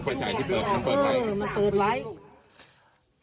ป้าก็จะไปเรียกว่ากินกาแฟ